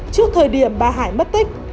trước thời điểm bà hải mất tích